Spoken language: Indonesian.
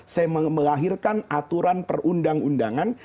saya melahirkan aturan perundang undangan